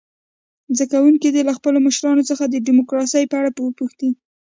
زده کوونکي دې له خپلو مشرانو څخه د ډموکراسۍ په اړه وپوښتي.